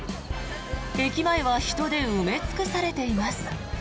駅前は人で埋め尽くされています。